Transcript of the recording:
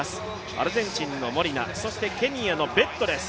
アルゼンチンのモリナ、ケニアのベットです。